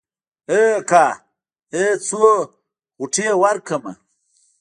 ای اکا ای څو غوټې ورکمه.